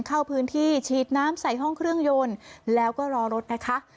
เข้าพื้นที่ฉีดน้ำใส่ห้องเครื่องยนต์แล้วก็รอรถนะคะ